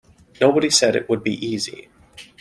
Nobody said it would be easy.